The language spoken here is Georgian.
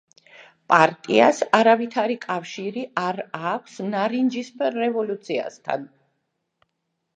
პარტიას არავითარი კავშირი არ აქვს ნარინჯისფერ რევოლუციასთან.